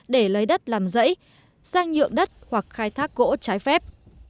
để lấy đất làm rẫy sang nhượng đất hoặc khai thác gỗ trái phép